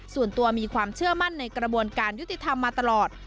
ส่วนตัวมีความเชื่อมั่นในกระบวนการยุติธรรมมาตลอด